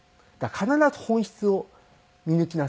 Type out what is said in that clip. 必ず本質を見抜きなさい。